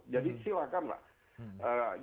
jadi silakan lah jalankan